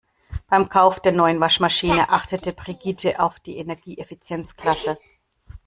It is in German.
Beim Kauf der neuen Waschmaschine achtete Brigitte auf die Energieeffizienzklasse.